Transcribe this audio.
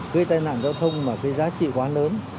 cái tai nạn giao thông mà cái giá trị quá lớn